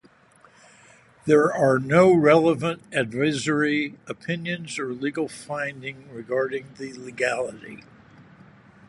There are no relevant advisory opinions or legal finding regarding the legality.